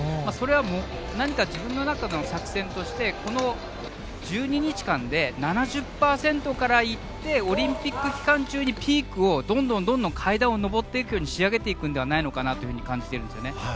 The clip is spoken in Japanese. それは何か自分の中の作戦としてこの１２日間で７０％からいってオリンピック期間中にピークを階段を上っていくように仕上げていくのではないかと感じているんです。